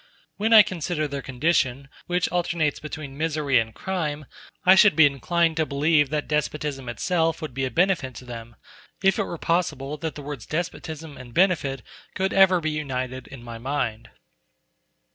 When I consider their condition, which alternates between misery and crime, I should be inclined to believe that despotism itself would be a benefit to them, if it were possible that the words despotism and benefit could ever be united in my mind.